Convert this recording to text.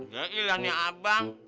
gak ilah nih abang